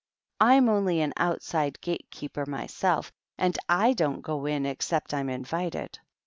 I'm only an outside gate keeper myself, and / don't go in except I'm invited.